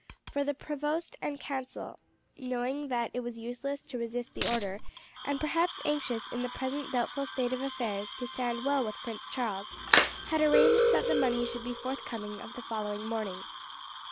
For the provost and council, knowing that it was useless to resist the order, and perhaps anxious in the present doubtful state of affairs to stand well with Prince Charles, had arranged that the money should be forthcoming of the following morning.